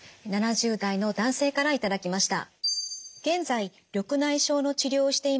７０代の男性から頂きました。